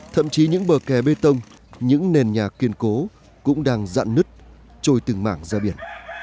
thậm chí những bờ kè bê tông những nền nhà kiên cố cũng đang dạn nứt trôi từng mảng ra biển